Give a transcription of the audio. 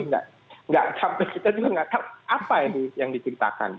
jadi tidak sampai kita juga tidak tahu apa yang diceritakan